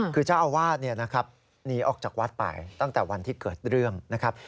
คือเจ้าอาวาสหนีออกจากวัดไปตั้งแต่วันที่เกิดเรื่องนะครับ